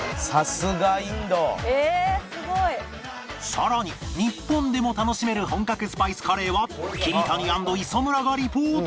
さらに日本でも楽しめる本格スパイスカレーは桐谷＆磯村がリポート